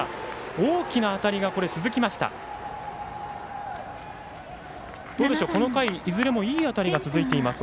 大きな当たりが続きました。